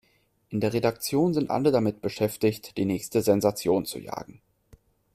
In der Redaktion sind alle damit beschäftigt, die nächste Sensation zu jagen.